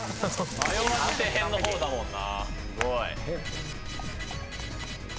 ⁉迷わずてへんの方だもんな。